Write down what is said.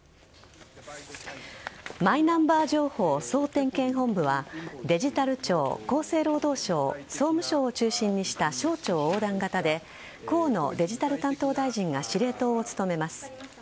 マイナンバー情報総点検本部はデジタル庁、厚生労働省総務省を中心にした省庁横断型で河野デジタル大臣が司令塔を務めます。